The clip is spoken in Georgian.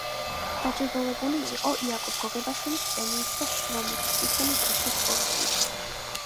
დაჯილდოვებული იყო იაკობ გოგებაშვილის პრემიით და შრომის წითელი დროშის ორდენით.